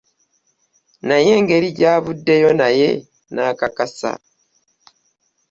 “Naye engeri gy'avuddeyo naye n'akakasa"